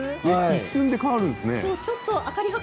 一瞬で変わるんですが。